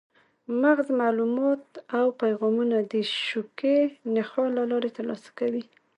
مغز معلومات او پیغامونه د شوکي نخاع له لارې ترلاسه کوي.